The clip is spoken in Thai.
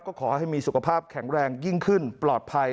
ก็ขอให้มีสุขภาพแข็งแรงยิ่งขึ้นปลอดภัย